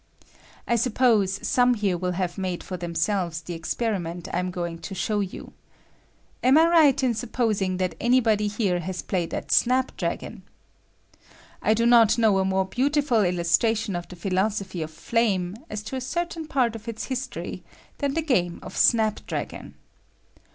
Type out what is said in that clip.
I suppose some here will have made for themselves the experiment I am going to show you. Am I right in supposing that any body here has played at snapdragon? I do not know a more beautiful illustration of the phi losophy of flame, as to a certain part of its history, than the game of snapdragon.